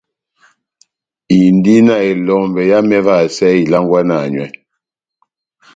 Indi na elombɛ yámɛ évahasɛ ilangwana nywɛ.